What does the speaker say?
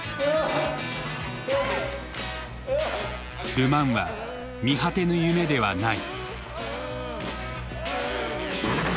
ル・マンは見果てぬ夢ではない。